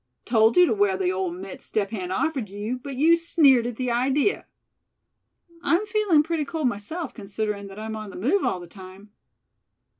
"Told you to wear the old mitts Step Hen offered you, but you sneered at the idea. I'm feeling pretty cold myself, considerin' that I'm on the move all the time.